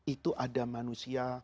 itu ada manusia